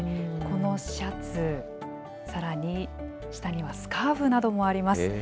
このシャツ、さらに下にはスカーフなどもあります。